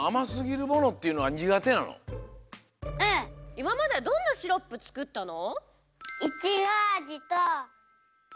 いままでどんなシロップつくったの？